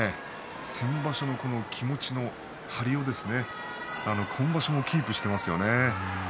先場所の気持ちの張りを今場所もキープしていますよね。